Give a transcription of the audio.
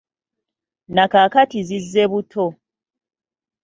Na kaakati zizze buto.